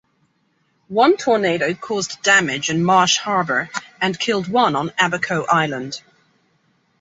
One tornado caused damage in Marsh Harbour and killed one on Abaco island.